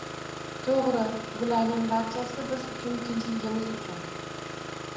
To'g'ri, bularning barchasi biz uchun, tinchligimiz uchun